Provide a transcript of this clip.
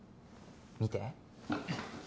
見て。